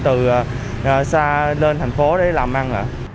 từ xa lên thành phố để làm ăn